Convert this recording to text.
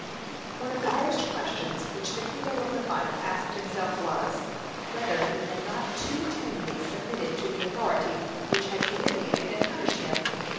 One of the first questions which the hero of the fight asked himself was, whether he had not too tamely submitted to the authority which had humiliated and punished him.